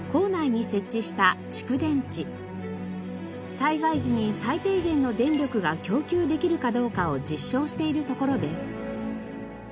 災害時に最低限の電力が供給できるかどうかを実証しているところです。